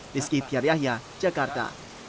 rizky tyaryahya jakarta